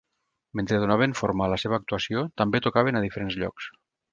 Mentre donaven forma a la seva actuació, també tocaven a diferents llocs.